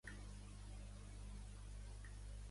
D'on és la Cécile Alduy?